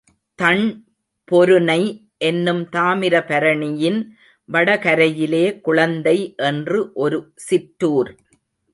தண் பொருநை என்னும் தாமிர பரணியின் வடகரையிலே குளந்தை என்று ஒரு சிற்றூர்.